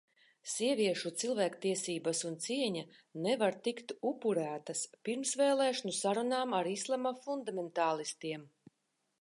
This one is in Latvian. Sieviešu cilvēktiesības un cieņa nevar tikt upurētas pirmsvēlēšanu sarunām ar islama fundamentālistiem.